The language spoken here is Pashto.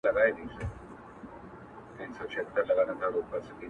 دلته مستي ورانوي دلته خاموشي ورانوي”